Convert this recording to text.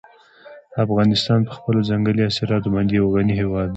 افغانستان په خپلو ځنګلي حاصلاتو باندې یو غني هېواد دی.